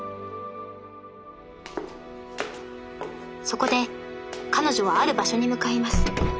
そこで彼女はある場所に向かいます。